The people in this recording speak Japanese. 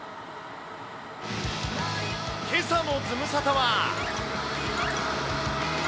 けさのズムサタは。